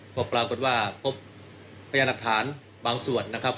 ก็ปรากฏว่าพบพยานหลักฐานบางส่วนนะครับ